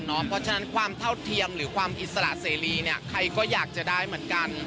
เพราะฉะนั้นความเท่าเทียมหรือความอิสระเสรีเนี่ยใครก็อยากจะได้เหมือนกัน